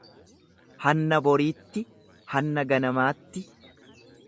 Hanna boriitti, hanna ganamaatti.